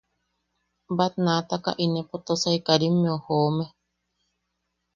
Batnaataka inepo Tosai Karimmeu ne joome.